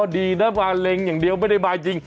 ดีนะมาเล็งอย่างเดียวไม่ได้มาจริง